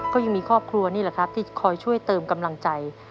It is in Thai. ก็ยังมีครอบครัวนี่แหละครับที่คอยช่วยเติมกำลังใจ